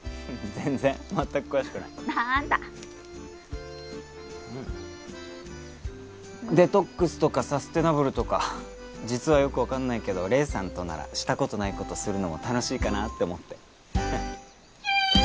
全然全く詳しくないなーんだデトックスとかサステナブルとか実はよく分かんないけど黎さんとならしたことないことするのも楽しいかなって思ってきゅいん！